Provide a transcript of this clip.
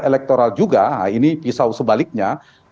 elektoral juga ini pisau sebaliknya